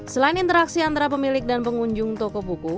selain interaksi antara pemilik dan pengunjung toko buku